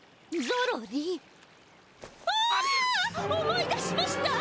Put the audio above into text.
思い出しました！